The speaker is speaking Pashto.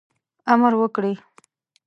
امر وکړي.